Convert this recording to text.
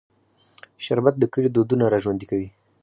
شربت د کلي دودونه راژوندي کوي